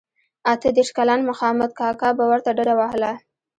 اته دیرش کلن مخامد کاکا به ورته ډډه وهله.